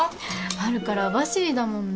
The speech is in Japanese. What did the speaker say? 春から網走だもんね。